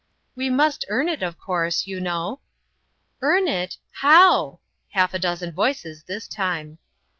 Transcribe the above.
" We must earn it, of course, you know." " Earn it ! How ?" Half a dozen voices this time.